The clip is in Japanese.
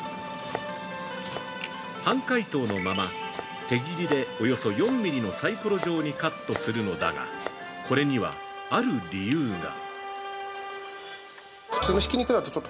半解凍のまま手切りでおよそ４ミリのサイコロ状にカットするのだがこれにはある理由が◆